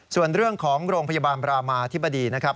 ส่วนเรื่องของโรงพยาบาลบรามาธิบดีนะครับ